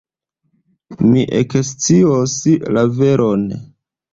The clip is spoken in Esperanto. Mi ekscios la veron.